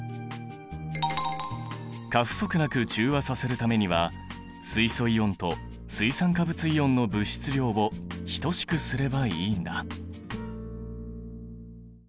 過不足なく中和させるためには水素イオンと水酸化物イオンの物質量を等しくすればいいんだ。